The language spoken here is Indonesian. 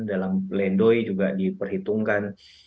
dalam lendoy juga diperhitungkan